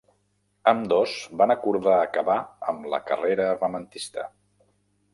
Ambdós van acordar acabar amb la carrera armamentista.